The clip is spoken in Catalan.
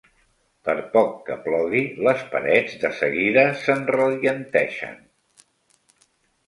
Per poc que plogui, les parets de seguida s'enrellenteixen.